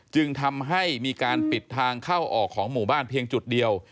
จึงทำให้มีการปิดทางเข้าออกของหมู่บ้านเพียงจุดเดียว